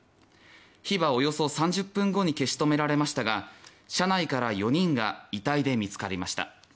火は、およそ３０分後に消し止められましたが車内から４人が遺体で見つかりました。